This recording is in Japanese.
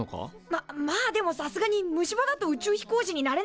ままあでもさすがに虫歯だと宇宙飛行士になれないってわけじゃ。